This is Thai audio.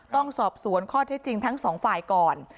ต้องสอบสวนข้อเท็จจริงทั้งสองฝ่ายก่อน